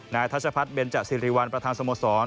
นายทัชพัฒน์เบนจสิริวัลประธานสมสรรค์